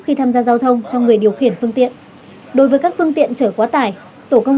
khi tham gia giao thông cho người điều khiển phương tiện đối với các phương tiện trở quá tải tổ công